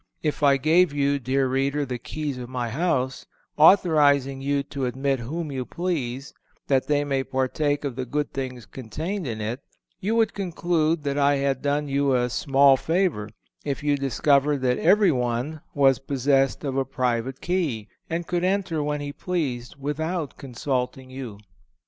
If I gave you, dear reader, the keys of my house, authorizing you to admit whom you please, that they might partake of the good things contained in it, you would conclude that I had done you a small favor if you discovered that every one was possessed of a private key, and could enter when he pleased without consulting you.